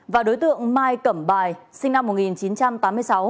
và đối tượng mai cẩm bài sinh năm một nghìn chín trăm tám mươi sáu